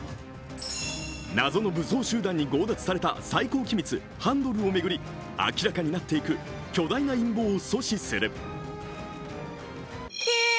謎の武装集団に強奪された最高機密・ハンドルを巡り明らかになっていく巨大な陰謀を阻止する。